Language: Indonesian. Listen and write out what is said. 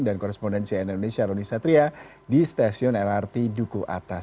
dan korespondensi indonesia roni satria di stasiun lrt juku atas